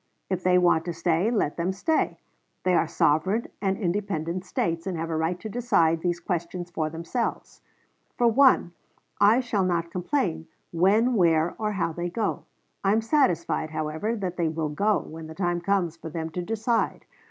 If they want to stay let them stay. They are sovereign and independent States, and have a right to decide these questions for themselves. For one, I shall not complain when, where, or how they go. I am satisfied, however, that they will go, when the time comes for them to decide.